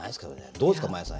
どうですか真矢さん。